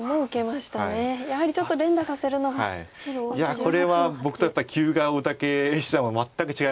いやこれは僕とやっぱり棋風が大竹七段は全く違います。